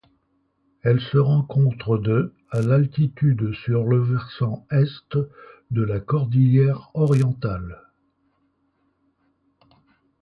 Elle se rencontre de à d'altitude sur le versant Est de la cordillère Orientale.